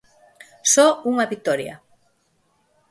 Só unha vitoria.